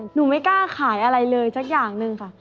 ไม่กล้าขายอะไรเลยสักอย่างหนึ่งค่ะ